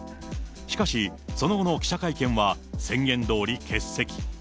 しかし、その後の記者会見は宣言どおり、欠席。